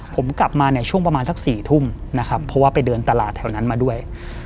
ผมกลับมาเนี่ยช่วงประมาณสัก๔ทุ่มนะครับเพราะว่าไปเดินตลาดแถวนั้นมาด้วย